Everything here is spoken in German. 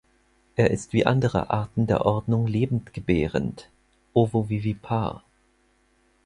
Er ist wie andere Arten der Ordnung lebendgebärend (ovovivipar).